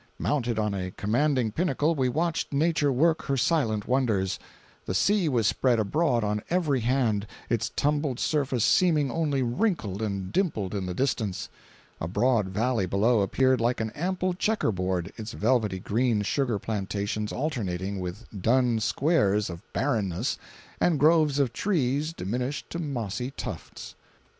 Mounted on a commanding pinnacle, we watched Nature work her silent wonders. The sea was spread abroad on every hand, its tumbled surface seeming only wrinkled and dimpled in the distance. A broad valley below appeared like an ample checker board, its velvety green sugar plantations alternating with dun squares of barrenness and groves of trees diminished to mossy tufts.